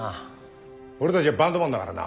俺たちはバンドマンだからな